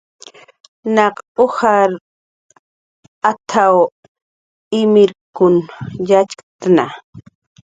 "Naq ujar at""w imkirkun yakt""a"